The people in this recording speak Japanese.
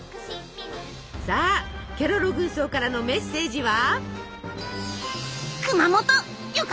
さあケロロ軍曹からのメッセージは。